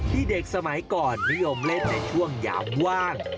เด็กสมัยก่อนนิยมเล่นในช่วงยามว่าง